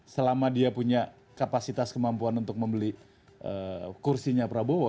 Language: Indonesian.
selama dia punya kapasitas kemampuan untuk membeli kursinya prabowo